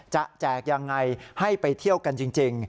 แจกยังไงให้ไปเที่ยวกันจริง